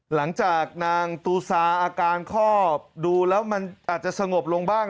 หลังจากนางตูซาอาการคอบดูแล้วมันอาจจะสงบลงบ้าง